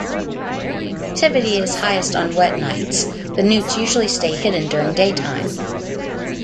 Activity is highest on wet nights; the newts usually stay hidden during daytime.